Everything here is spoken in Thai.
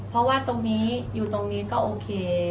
เพราะว่าตรงนี้อยู่ตรงนี้ก็โอเค